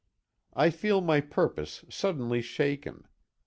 I feel my purpose suddenly shaken.